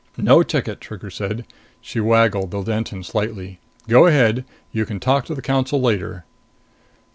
"No ticket," Trigger said. She waggled the Denton slightly. "Go ahead! You can talk to the Council later."